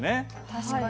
確かに。